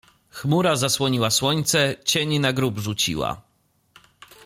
Chmura zasłoniła słońce, cień na grób rzuciła.